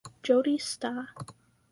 Jodi Sta.